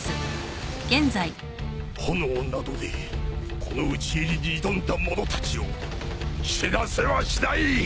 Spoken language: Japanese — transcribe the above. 炎などでこの討ち入りに挑んだ者たちを死なせはしない！